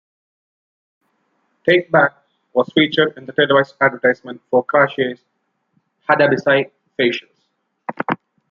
"Take Back" was featured in the televised advertisement for Kracie's Hada-bisei facials.